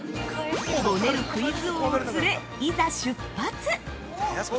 ◆ごねるクイズ王を連れいざ出発。